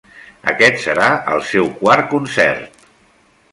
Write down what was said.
Aquest serà el seu quart concert.